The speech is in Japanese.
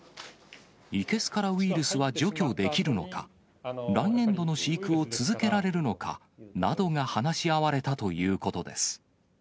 生けすからウイルスは除去できるのか、来年度の飼育を続けられるのかなどが話し合われたということです。